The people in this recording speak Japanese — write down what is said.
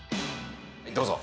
どうぞ。